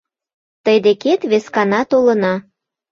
Тый декет вескана толына.